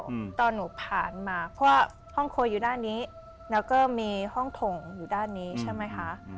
อืมตอนหนูผ่านมาเพราะว่าห้องครัวอยู่ด้านนี้แล้วก็มีห้องถงอยู่ด้านนี้ใช่ไหมคะ